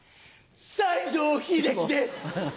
西城秀樹です。